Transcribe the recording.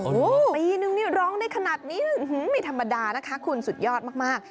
โอ้โหปีนึงนี่ร้องได้ขนาดนี้ไม่ธรรมดานะคะคุณสุดยอดมาก